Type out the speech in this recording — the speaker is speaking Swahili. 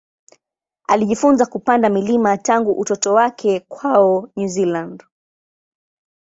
Alijifunza kupanda milima tangu utoto wake kwao New Zealand.